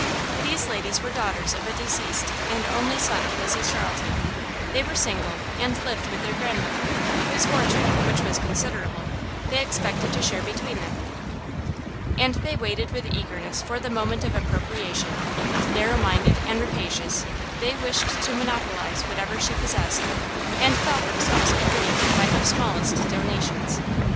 These ladies were daughters of a deceased and only son of Mrs Charlton; they were single, and lived with their grand mother, whose fortune, which was considerable, they expected to share between them, and they waited with eagerness for the moment of appropriation; narrow minded and rapacious, they wished to monopolize whatever she possessed, and thought themselves aggrieved by her smallest donations.